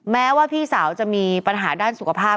แม้ว่าพี่สาวจะมีปัญหาด้านสุขภาพ